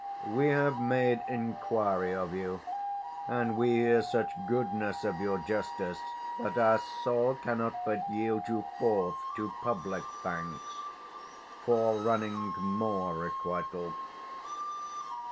We have made inquiry of you; and we hear 5 Such goodness of your justice, that our soul Cannot but yield you forth to public thanks, Forerunning more requital.